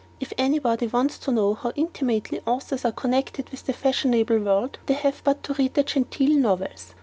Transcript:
If anybody wants to know how intimately authors are connected with the fashionable world, they have but to read the genteel novels.